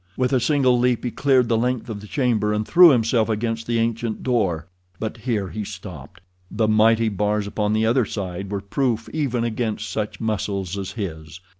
With a single leap he cleared the length of the chamber and threw himself against the ancient door. But here he stopped. The mighty bars upon the other side were proof even against such muscles as his.